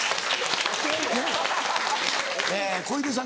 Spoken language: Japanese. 小出さん